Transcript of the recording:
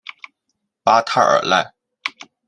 巴泰尔奈。